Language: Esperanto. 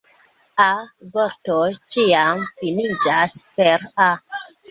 A-vortoj ĉiam finiĝas per "-a".